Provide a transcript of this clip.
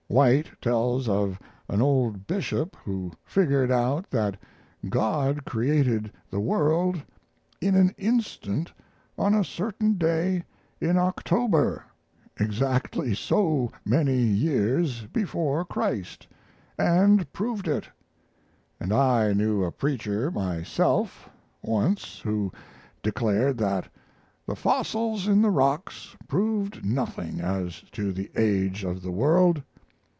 White tells of an old bishop who figured out that God created the world in an instant on a certain day in October exactly so many years before Christ, and proved it. And I knew a preacher myself once who declared that the fossils in the rocks proved nothing as to the age of the world.